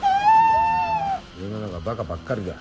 世の中バカばっかりだ。